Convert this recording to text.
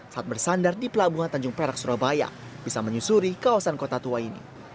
saat bersandar di pelabuhan tanjung perak surabaya bisa menyusuri kawasan kota tua ini